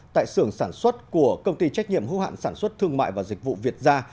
tại xưởng sản xuất của công ty trách nhiệm hữu hạn sản xuất thương mại và dịch vụ việt gia